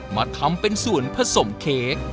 มาทำเป็นส่วนผสมเค้ก